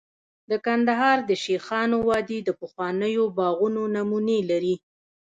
د کندهار د شیخانو وادي د پخوانیو باغونو نمونې لري